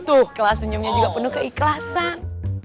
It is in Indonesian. tuh kelas senyumnya juga penuh keikhlasan